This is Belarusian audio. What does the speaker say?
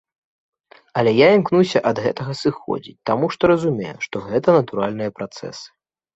Але я імкнуся ад гэтага сыходзіць, таму што разумею, што гэта натуральныя працэсы.